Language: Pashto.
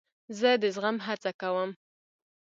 زه د زغم هڅه کوم.